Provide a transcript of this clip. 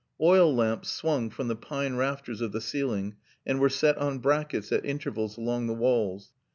Oil lamps swung from the pine rafters of the ceiling and were set on brackets at intervals along the walls.